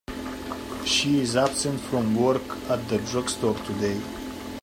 She is absent from work at the drug store today.